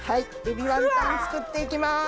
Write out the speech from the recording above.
エビワンタン作って行きます。